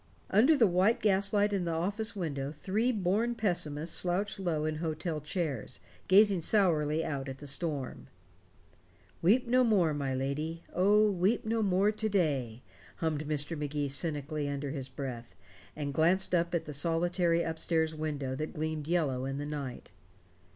Under the white gaslight in the office window three born pessimists slouched low in hotel chairs, gazing sourly out at the storm. "Weep no more, my lady, Oh! weep no more to day," hummed Mr. Magee cynically under his breath, and glanced up at the solitary up stairs window that gleamed yellow in the night.